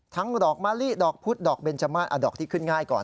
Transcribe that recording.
ดอกมะลิดอกพุธดอกเบนจมาสดอกที่ขึ้นง่ายก่อน